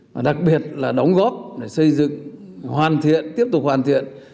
và đặc biệt là đóng góp để xây dựng hoàn thiện tiếp tục hoàn thiện